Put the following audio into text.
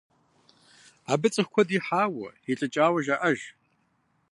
Абы цӀыху куэд ихьауэ, илӀыкӀауэ жаӀэж.